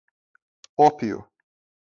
ópio